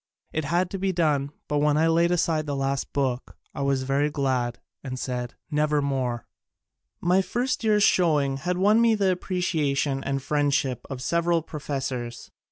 It had to be done, but when I laid aside the last book I was very glad, and said, "Never mere !" My first year's showing had won me the appreciation and friendship of several pro fessors.